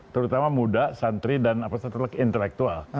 terutama muda santri dan apa satu lagi intelektual